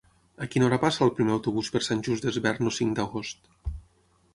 A quina hora passa el primer autobús per Sant Just Desvern el cinc d'agost?